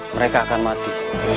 mereka akan mati